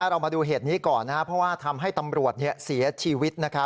เรามาดูเหตุนี้ก่อนเพราะว่าทำให้ตำรวจเสียชีวิต